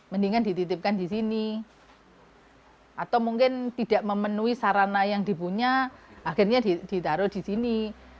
mendingan dititipkan di sini atau mungkin tidak memenuhi sarana yang dipunya akhirnya ditaruh di sini